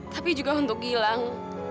tapi juga untuk gilang